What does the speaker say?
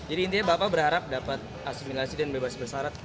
jadi intinya bapak berharap dapat asimilasi dan bebas bersarat